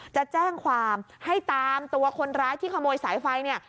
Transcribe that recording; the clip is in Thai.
จะแจ้งความให้ตามตัวคนร้ายที่ขโมยสายไฟเนี่ย